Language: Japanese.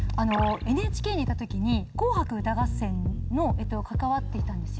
ＮＨＫにいた時に『紅白歌合戦』に関わっていたんですよ。